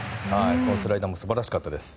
このスライダーも素晴らしかったです。